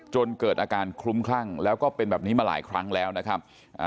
จนเกิดอาการคลุ้มคลั่งแล้วก็เป็นแบบนี้มาหลายครั้งแล้วนะครับ